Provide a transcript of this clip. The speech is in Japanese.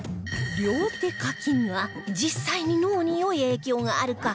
両手書きが実際に脳に良い影響があるか